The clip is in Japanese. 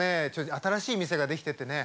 新しい店が出来ててね。